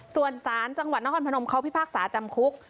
ส่วนสารจังหวัดนครพนมเขาพิพากษาจำคุก